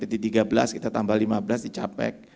di tiga belas kita tambah lima belas di capek